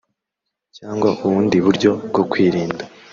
cyagwa ubundi buryo bwo kwirinda